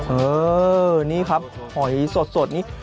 เออนี่ครับหอยสดนี่